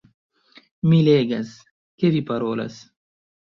Mi legas, ke vi parolas